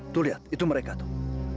tuh lihat itu mereka tuh